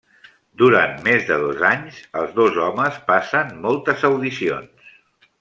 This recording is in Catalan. Durant més de dos anys els dos homes passen moltes audicions.